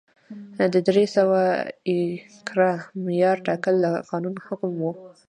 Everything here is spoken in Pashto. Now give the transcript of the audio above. د درې سوه ایکره معیار ټاکل د قانون حکم و.